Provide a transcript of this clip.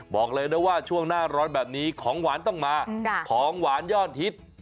บอกเลยนะว่าช่วงหน้าร้อนแบบนี้ของหวานต้องมาของหวานยอดฮิต